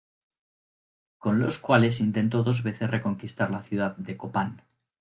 Con los cuales intento dos veces reconquistar la ciudad de Copán.